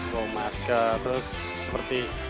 bawa masker terus seperti